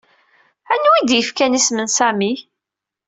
Anwa i d-yefkan isem n Sami?